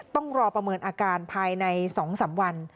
ต้องรอประเมินอาการภายใน๒๓วัน